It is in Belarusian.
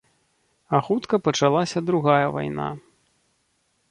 А хутка пачалася другая вайна.